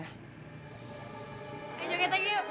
ayah joget aja yuk